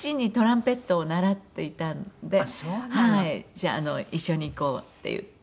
「じゃあ一緒に行こう」って言って。